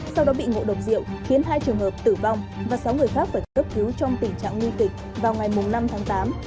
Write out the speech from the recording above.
sau đó bị ngộ độc rượu khiến hai trường hợp tử vong và sáu người khác phải cấp cứu trong tình trạng nguy kịch vào ngày năm tháng tám